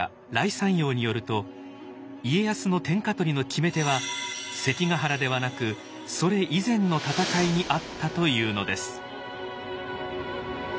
山陽によると家康の天下取りの決め手は関ヶ原ではなくそれ以前の戦いにあったというのです。